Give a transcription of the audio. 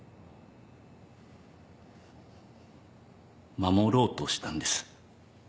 守ろうとしたんです。